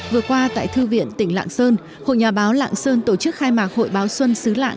vừa qua tại thư viện tỉnh lạng sơn hội nhà báo lạng sơn tổ chức khai mạc hội báo xuân xứ lạng